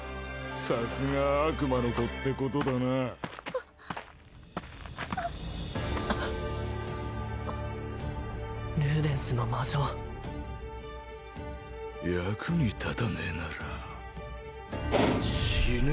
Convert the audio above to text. さすが悪魔の子ってことだなルーデンスの魔杖役に立たねえなら死ね・